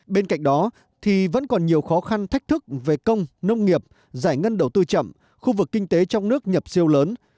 bên cạnh đó thì vẫn còn nhiều khó khăn thách thức về công nông nghiệp giải ngân đầu tư chậm khu vực kinh tế trong nước nhập siêu lớn